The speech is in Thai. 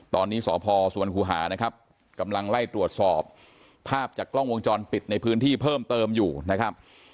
ตอนนี้สพสวรรคูหานะครับกำลังไล่ตรวจสอบภาพจากกล้องวงจรปิดในพื้นที่เพิ่มเติมอยู่นะครับ